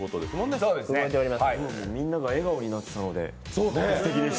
みんなが笑顔になってたのですてきでした。